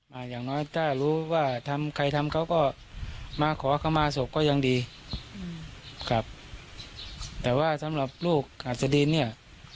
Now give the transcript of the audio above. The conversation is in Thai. อย่างน้อยถ้ารู้ว่าทำใครทำเขาก็มาขอเข้ามาศพก็ยังดีอืมครับแต่ว่าสำหรับลูกอัศดินเนี่ย